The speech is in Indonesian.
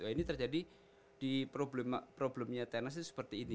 ini terjadi di problemnya tenis itu seperti ini